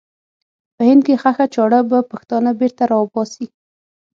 په هند کې ښخه چاړه به پښتانه بېرته را وباسي.